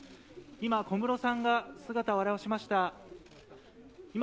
今、小室さんが姿を現しました。